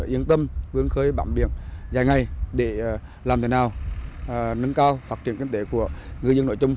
yên tâm vươn khơi bám biển dài ngày để làm thế nào nâng cao phát triển kinh tế của ngư dân nói chung